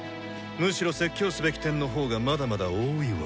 むしろ説教すべき点の方がまだまだ多いわ。